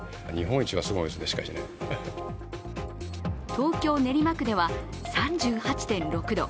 東京・練馬区では３８．６度。